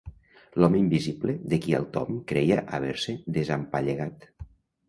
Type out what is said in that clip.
L'home invisible de qui el Tom creia haver-se desempallegat.